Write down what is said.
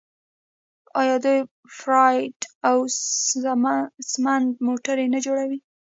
آیا دوی پراید او سمند موټرې نه جوړوي؟